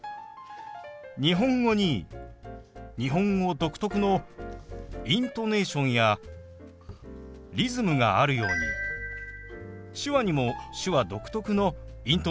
日本語に日本語独特のイントネーションやリズムがあるように手話にも手話独特のイントネーションやリズムがあります。